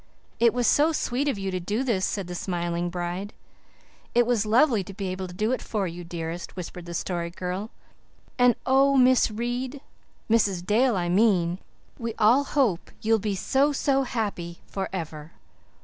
"It was so sweet of you to do this," said the smiling bride. "It was lovely to be able to do it for you, dearest," whispered the Story Girl, "and oh, Miss Reade Mrs. Dale, I mean we all hope you'll be so, so happy for ever."